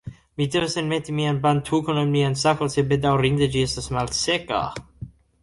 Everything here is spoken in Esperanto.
Mi devas enmeti mian bantukon en mian sakon sed bedaŭrinde ĝi estas malseka